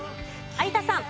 有田さん。